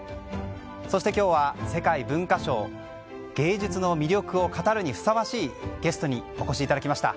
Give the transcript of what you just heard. そして今日は、世界文化賞芸術の魅力を語るにふさわしいゲストにお越しいただきました。